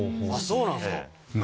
そうなんすか？